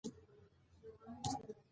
زه او ته دې ېو وطن ېو